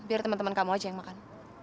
biar temen temen kamu aja yang makan